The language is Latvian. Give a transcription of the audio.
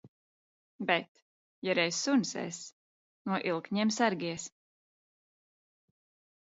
Bet, ja reiz suns es, no ilkņiem sargies!